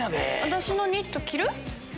私のニット着る？